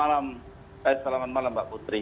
selamat malam mbak putri